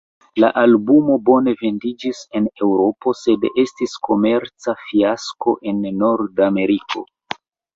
La albumo bone vendiĝis en Eŭropo sed estis komerca fiasko en Nord-Ameriko.